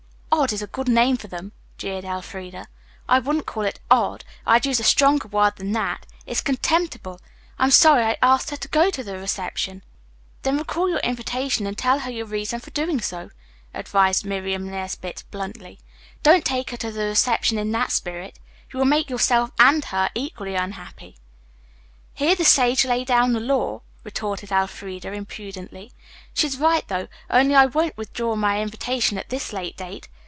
"'Odd' is a good name for them," jeered Elfreda. "I wouldn't call it 'odd,' I'd use a stronger word than that. It's contemptible. I'm sorry I asked her to go to the reception." "Then recall your invitation and tell her your reason for doing so," advised Miriam Nesbit bluntly. "Don't take her to the reception in that spirit. You will make yourself and her equally unhappy." "Hear the sage lay down the law," retorted Elfreda impudently. "She's right, though, only I won't withdraw my invitation at this late date.